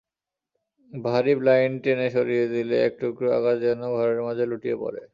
ভারী ব্লাইন্ড টেনে সরিয়ে দিলে একটুকরো আকাশ যেন ঘরের মাঝে লুটিয়ে পড়ে।